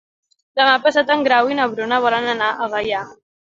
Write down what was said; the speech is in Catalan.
Demà passat en Grau i na Bruna volen anar a Gaià.